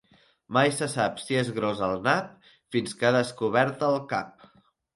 Mai se sap si és gros el nap fins que ha descobert el cap.